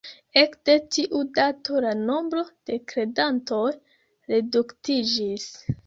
Ekde tiu dato la nombro de kredantoj reduktiĝis.